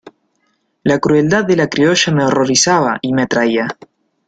la crueldad de la criolla me horrorizaba y me atraía: